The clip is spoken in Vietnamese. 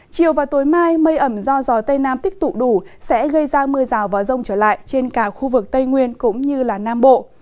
chiều và tối mai mây ẩm do gió tây nam tích tụ đủ sẽ gây ra mưa rào và rông trở lại trên cả khu vực tây nguyên cũng như nam bộ